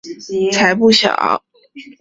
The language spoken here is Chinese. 才不小！